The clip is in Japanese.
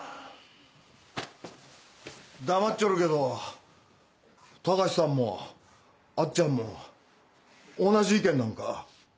黙っちょるけど高志さんもあっちゃんも同じ意見なんか？